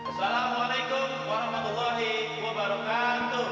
assalamualaikum warahmatullahi wabarakatuh